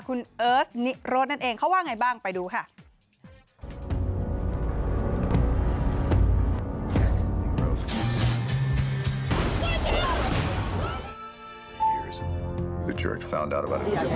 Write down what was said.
คุณเอิร์สนิโรธนั่นเองเขาว่าไงบ้างไปดูค่ะ